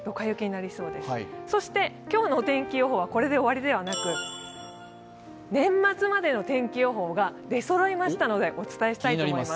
今日のお天気予報はこれで終わりではなく年末までの天気予報が出そろいましたのでお伝えします。